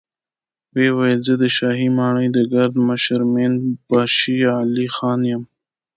ويې ويل: زه د شاهي ماڼۍ د ګارد مشر مين باشي علی خان يم.